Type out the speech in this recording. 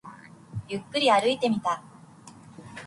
ゆっくり歩いてみた